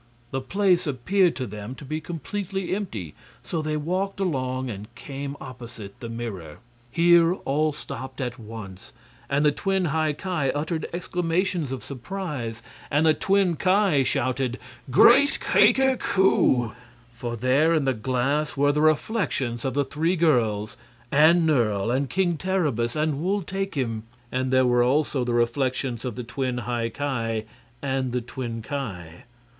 The place appeared to them to be completely empty, so they walked along and came opposite the mirror. Here all stopped at once, and the twin High Ki uttered exclamations of surprise, and the twin Ki shouted, "Great Kika koo!" For there in the glass were the reflections of the three girls and Nerle and King Terribus and Wul Takim. And there were also the reflections of the twin High Ki and the twin Ki.